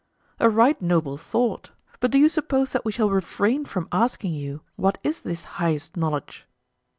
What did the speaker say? A right noble thought; but do you suppose that we shall refrain from asking you what is this highest knowledge?